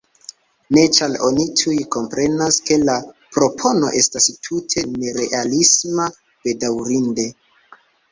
Ne, ĉar oni tuj komprenas, ke la propono estas tute nerealisma - bedaŭrinde.